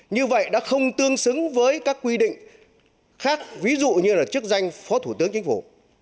như vậy đã không tương xứng với các quy định khác ví dụ như là chức danh phó thủ tướng chính phủ